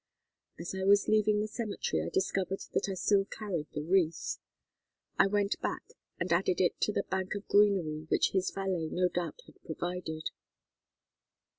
As I was leaving the cemetery I discovered that I still carried the wreath. I went back and added it to the bank of greenery which his valet no doubt had provided.